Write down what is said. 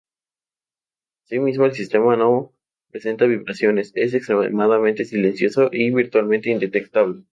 Asimismo, el sistema no presenta vibraciones, es extremadamente silencioso y virtualmente indetectable.